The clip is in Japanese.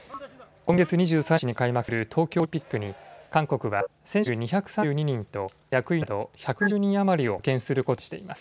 今月２３日に開幕する東京オリンピックに韓国は選手２３２人と役員など１２０人余りを派遣することにしています。